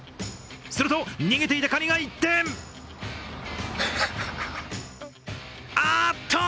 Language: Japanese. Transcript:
すると逃げていたカニが一転、ああっと！